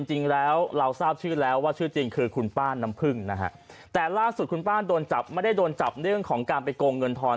จริงแล้วเราทราบชื่อแล้วว่าชื่อจริงคือคุณป้าน้ำพึ่งนะฮะแต่ล่าสุดคุณป้าโดนจับไม่ได้โดนจับเรื่องของการไปโกงเงินทอน